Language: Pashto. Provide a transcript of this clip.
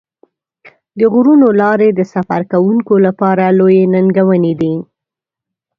د غرونو لارې د سفر کوونکو لپاره لویې ننګونې دي.